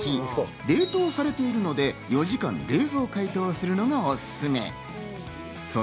冷凍されてるので、４時間、冷蔵解凍するのがおすすめ。